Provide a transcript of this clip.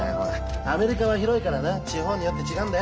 アメリカは広いからな地方によって違うんだよ。